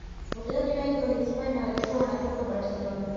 wachezaji wengi wa hisipania walikuwa wanatoka barcelona